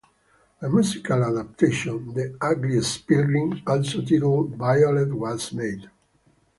A musical adaption "The Ugliest Pilgrim" also titled Violet was made.